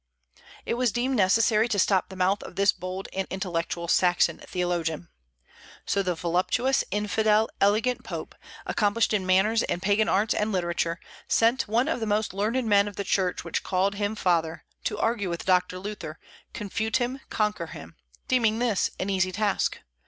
It was deemed necessary to stop the mouth of this bold and intellectual Saxon theologian. So the voluptuous, infidel, elegant Pope accomplished in manners and pagan arts and literature sent one of the most learned men of the Church which called him Father, to argue with Doctor Luther, confute him, conquer him, deeming this an easy task.